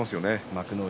幕内